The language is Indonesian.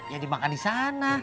ya dimakan disana